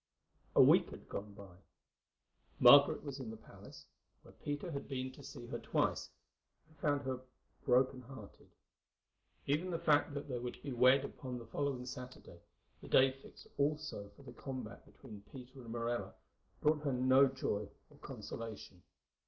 A week had gone by. Margaret was in the palace, where Peter had been to see her twice, and found her broken hearted. Even the fact that they were to be wed upon the following Saturday, the day fixed also for the combat between Peter and Morella, brought her no joy or consolation.